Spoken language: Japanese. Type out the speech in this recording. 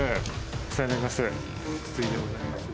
お世話になります。